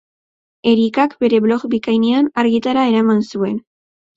Erikak bere blog bikainean argitara eman zuen.